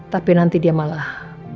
tapi nanti dia malah